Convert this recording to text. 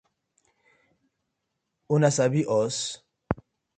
Una sabi os?